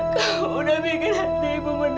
kamu udah bikin hati ibu menerita